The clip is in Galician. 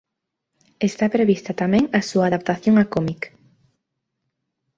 Está prevista tamén a súa adaptación a cómic.